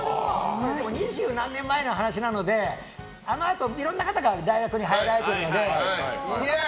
二十何年前の話なのであのあと、いろんな方が大学に入られてるので。